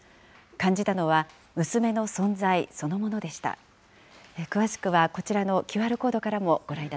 感じたのは、娘の存在そのものでした。